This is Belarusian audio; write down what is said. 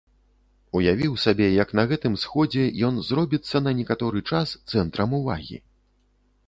Уявіў сабе, як на гэтым сходзе ён зробіцца на некаторы час цэнтрам увагі.